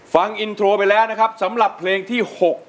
ฟังอินโทรไปแล้วนะครับสำหรับเพลงที่๖